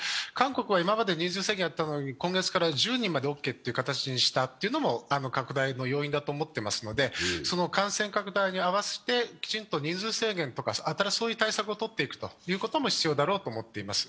韓国は今まで人数制限をやっていたのに、今月から１０人までということにしたのも拡大の要因だと思ってますので感染拡大に合わせてきちんと人数制限とかをとっていくことが大切だと思っています。